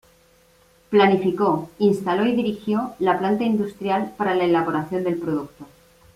Planificó, instaló y dirigió la planta industrial para la elaboración del producto.